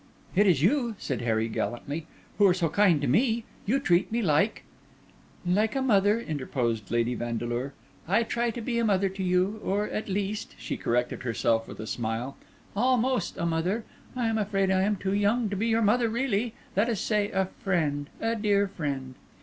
"It is you," said Harry gallantly, "who are so kind to me. You treat me like—" "Like a mother," interposed Lady Vandeleur; "I try to be a mother to you. Or, at least," she corrected herself with a smile, "almost a mother. I am afraid I am too young to be your mother really. Let us say a friend—a dear friend."